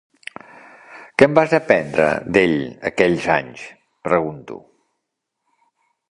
Què en vas aprendre, d’ell, aquells anys?, pregunto.